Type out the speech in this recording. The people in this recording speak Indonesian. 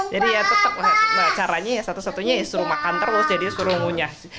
jadi ya tetap caranya satu satunya suruh makan terus jadi suruh ngunyah